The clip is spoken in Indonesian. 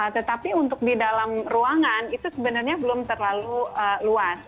tetapi untuk di dalam ruangan itu sebenarnya belum terlalu luas